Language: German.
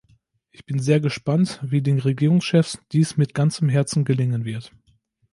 Ich bin sehr gespannt, wie den Regierungschefs dies mit ganzem Herzen gelingen wird.